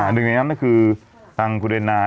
หนึ่งในนั้นก็คือทางคุณเรนนา